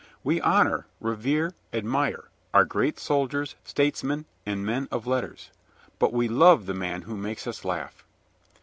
We honor, revere, admire our great soldiers, statesmen, and men of letters, but we love the man who makes us laugh.